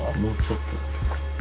もうちょっと。